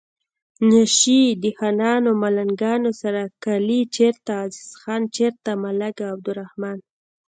نشي د خانانو ملنګانو سره کلي چرته عزیز خان چرته ملنګ عبدالرحمان